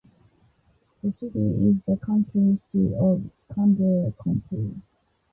The city is the county seat of Candler County.